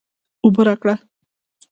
اوبه راکړه